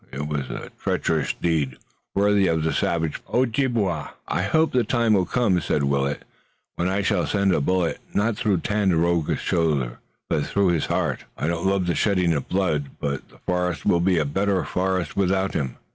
It was a treacherous deed, worthy of the savage Ojibway." "I hope the time will come," said Willet, "when I shall send a bullet not through Tandakora's shoulder, but through his heart. I don't love the shedding of blood, but the forest will be a better forest without him.